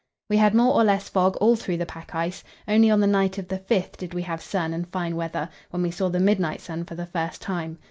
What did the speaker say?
We had more or less fog all through the pack ice. Only on the night of the 5th did we have sun and fine weather, when we saw the midnight sun for the first time.